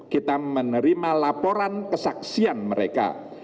kita menerima laporan kesaksian mereka